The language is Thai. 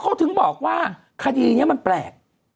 เขาถึงบอกว่าคดีนี้มันแปลก